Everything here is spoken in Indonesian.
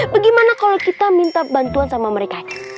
bagaimana kalau kita minta bantuan sama mereka